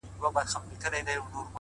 خپـه به دا وي كــه شـــيرين نه ســمــه؛